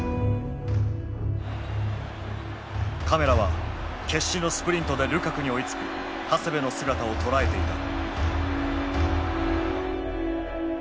カメラは決死のスプリントでルカクに追いつく長谷部の姿を捉えていた。